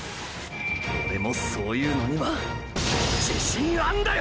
オレもそういうのには自信あんだよ！！